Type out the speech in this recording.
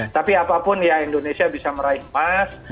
tapi apapun ya indonesia bisa meraih emas